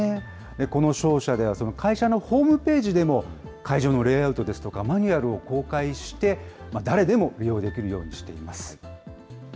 この商社では会社のホームページでも会場のレイアウトですとかマニュアルを公開して、誰でも利用できるようにしています。